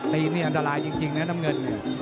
ตีนเนี่ยอันดรายจริงนะน้ำเงินน่ะ